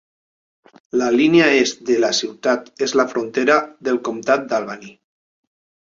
La línia est de la ciutat és la frontera del comtat d'Albany.